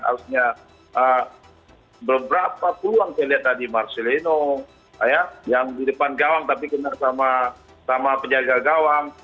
harusnya beberapa peluang saya lihat tadi marcelino yang di depan gawang tapi kena sama penjaga gawang